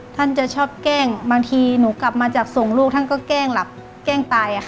ท่านจะชอบแกล้งบางทีหนูกลับมาจากส่งลูกท่านก็แกล้งหลับแกล้งตาย